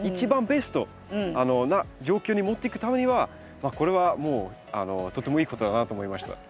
ベストな状況に持っていくためにはこれはもうとてもいいことだなと思いました。